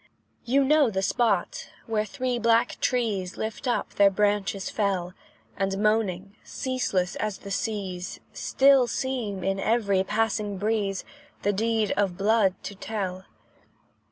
You know the spot, where three black trees, Lift up their branches fell, And moaning, ceaseless as the seas, Still seem, in every passing breeze, The deed of blood to tell.